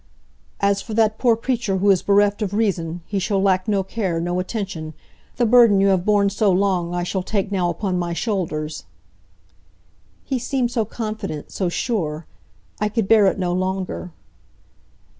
"As for that poor creature who is bereft of reason, he shall lack no care, no attention. The burden you have borne so long I shall take now upon my shoulders." He seemed so confident, so sure. I could bear it no longer.